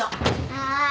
はい。